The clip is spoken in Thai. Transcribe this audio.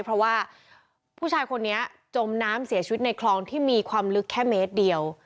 เพราะว่าผู้ชายคนนี้จมน้ำเสียชีวิตในคลองที่มีความลึกแค่เมตรเดียว